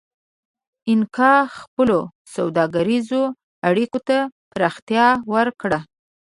اینکا خپلو سوداګریزو اړیکو ته پراختیا ورکړه.